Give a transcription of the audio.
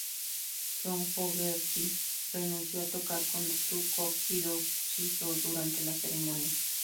John Fogerty renunció a tocar con Stu Cook y Doug Clifford durante la ceremonia.